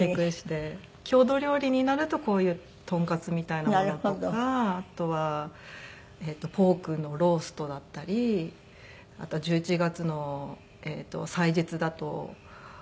郷土料理になるとこういう豚カツみたいなものとかあとはポークのローストだったりあとは１１月の祭日だとダチョウ？